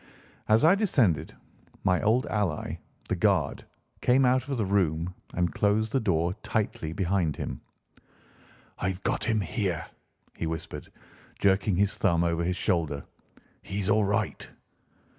As I descended, my old ally, the guard, came out of the room and closed the door tightly behind him. "I've got him here," he whispered, jerking his thumb over his shoulder; "he's all right."